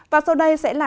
và sau đây sẽ là